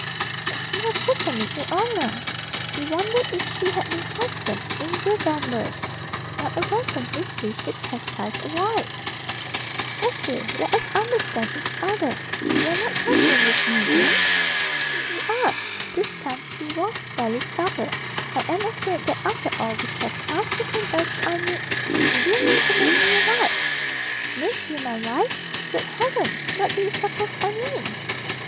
But she was certainly a "oner." He wondered if she had been christened "Angel" Danvers. What a weapon with which to chastise a wife! "Cecil, let us understand each other. You are not trifling with me again?" "Need you ask?" This time he was fairly startled. "I am afraid that after all which has passed between us, I need " "You do mean to make me your wife?" "Make you my wife? Good heavens! What do you suppose I mean?"